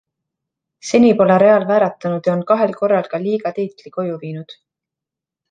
Seni pole Real vääratanud ja on kahel korral ka liiga tiitli koju viinud.